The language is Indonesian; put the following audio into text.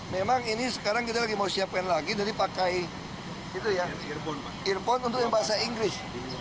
memang ini sekarang kita lagi mau siapkan lagi jadi pakai airport untuk yang bahasa inggris